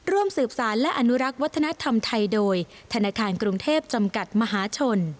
ร่วมสืบสารและอนุรักษ์วัฒนธรรมไทยโดยธนาคารกรุงเทพจำกัดมหาชน